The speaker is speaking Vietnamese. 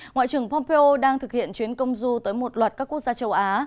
ngoại trưởng pompeo đang thực hiện chuyến công du tới một loạt các quốc gia châu á